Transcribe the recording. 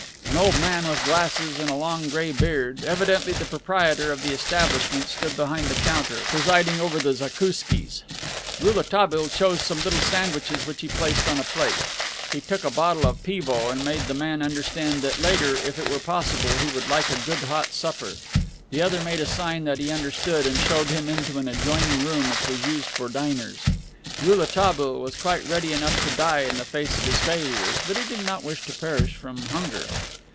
An old man, with glasses and a long gray beard, evidently the proprietor of the establishment, stood behind the counter, presiding over the zakouskis. Rouletabille chose some little sandwiches which he placed on a plate. He took a bottle of pivo and made the man understand that later, if it were possible, he would like a good hot supper. The other made a sign that he understood and showed him into an adjoining room which was used for diners. Rouletabille was quite ready enough to die in the face of his failures, but he did not wish to perish from hunger.